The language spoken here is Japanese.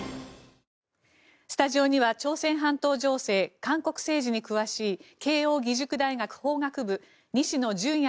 スタジオには朝鮮半島情勢韓国政治に詳しい慶応義塾大学法学部西野純也